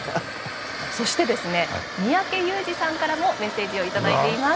そしてですね三宅裕司さんからもメッセージを頂いています。